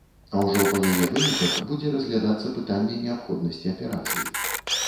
А ўжо па яе выніках будзе разглядацца пытанне неабходнасці аперацыі.